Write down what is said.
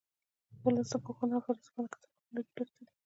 ولس د پوهانو او فیلسوفانو کتابونه نه دي لوستي